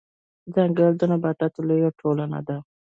ځنګل د نباتاتو لويه ټولنه ده